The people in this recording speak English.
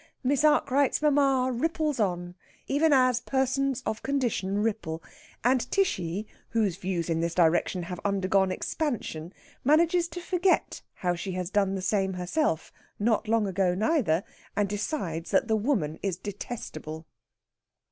Miss Arkwright's mamma ripples on, even as persons of condition ripple; and Tishy, whose views in this direction have undergone expansion, manages to forget how she has done the same herself not long ago, neither! and decides that the woman is detestable.